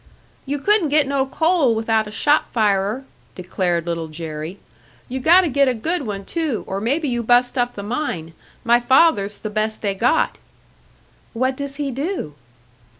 "You couldn't get no coal without a shot firer," declared Little Jerry. "You gotta get a good one, too, or maybe you bust up the mine. My father's the best they got." "What does he do?"